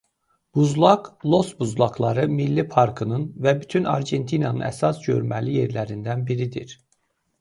Buzlaq Los Buzlaqları Milli Parkının və bütün Argentinanın əsas görməli yerlərindən biridir.